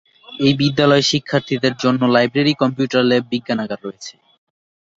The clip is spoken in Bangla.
এই বিদ্যালয়ে শিক্ষার্থীদের জন্য লাইব্রেরী, কম্পিউটার ল্যাব, বিজ্ঞানাগার রয়েছে।